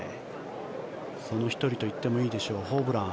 その１人と言ってもいいでしょう、ホブラン。